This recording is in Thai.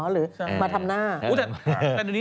หรือมาทำหน้า